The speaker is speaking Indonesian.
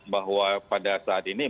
bahwa pada saat ini